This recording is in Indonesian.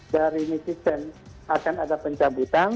dari netizen akan ada pencabutan